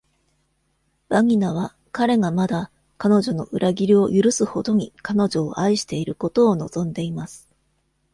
バニナは彼がまだ、彼女の裏切りを許すほどに彼女を愛していることを望んでいます。